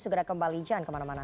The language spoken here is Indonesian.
segera kembali jangan kemana mana